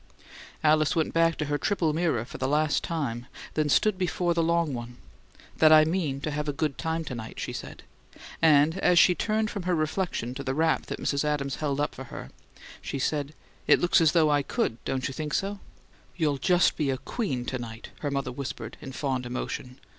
Alice went back to her triple mirror for the last time, then stood before the long one. "That I mean to have a good time to night," she said; and as she turned from her reflection to the wrap Mrs. Adams held up for her, "It looks as though I COULD, don't you think so?" "You'll just be a queen to night," her mother whispered in fond emotion.